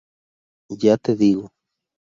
ya te digo